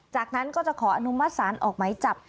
ฉันก็จะขออนุมัติศาลออกหมายจับ